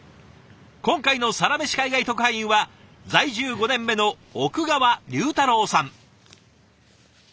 今回のサラメシ海外特派員は在住５年目の奥川龍太郎さん。